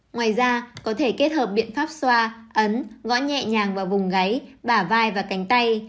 ngoài ra có thể kết hợp biện pháp xoa ấn gõ nhẹ nhàng vào vùng gáy bả vai và cánh tay